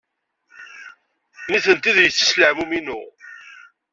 Nitenti d yessi-s n leɛmum-inu.